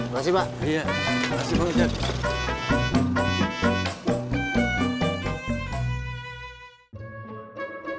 terima kasih pak